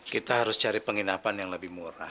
kita harus cari penginapan yang lebih murah